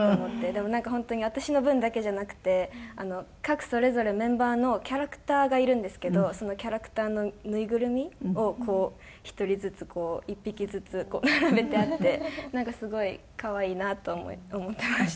でもなんか本当に私の分だけじゃなくて各それぞれメンバーのキャラクターがいるんですけどそのキャラクターのぬいぐるみをこう１人ずつこう１匹ずつ並べてあってなんかすごい可愛いなと思ってました。